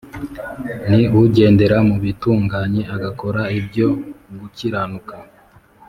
Ni ugendera mu bitunganye agakora ibyo gukiranuka